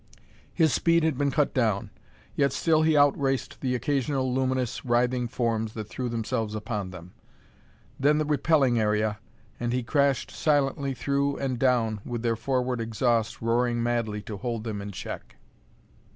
His speed had been cut down, yet still he outraced the occasional, luminous, writhing forms that threw themselves upon them. Then the repelling area and he crashed silently through and down, with their forward exhaust roaring madly to hold them in check.